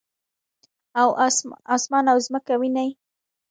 اسمان او مځکه وینې؟